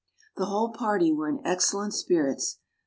The whole party were in excellent spirits.